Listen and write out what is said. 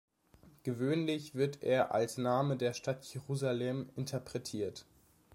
Gewöhnlich wird er als Name der Stadt Jerusalem interpretiert.